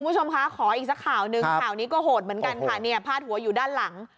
คุณผู้ชมคะขออีกสักข่าวหนึ่งข่าวนี้ก็โหดเหมือนกันค่ะเนี่ยพาดหัวอยู่ด้านหลัง